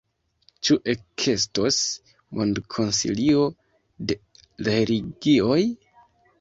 Ĉu ekestos mondkonsilio de religioj?